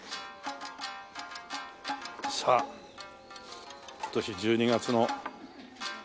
さあ今年１２月の。